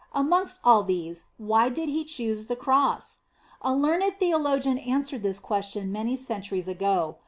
Amongst all these, why did He choose the Cross ? A learned theologian answered this question many centuries ago.